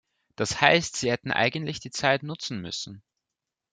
Das heißt, Sie hätten eigentlich die Zeit nutzen müssen.